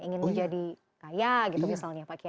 ingin menjadi kaya gitu misalnya pak kiai